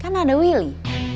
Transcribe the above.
kan ada willy